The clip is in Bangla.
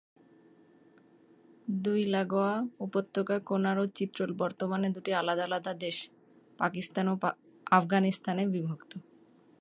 দুই লাগোয়া উপত্যকা কুনার ও চিত্রল বর্তমানে দু'টি আলাদা আলাদা দেশ, পাকিস্তান ও আফগানিস্তানে বিভক্ত।